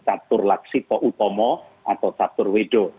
tatur laksito utomo atau tatur wido